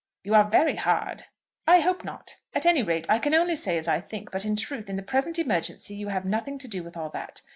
"You are very hard." "I hope not. At any rate I can only say as I think. But, in truth, in the present emergency you have nothing to do with all that.